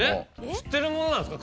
知ってるものなんですか？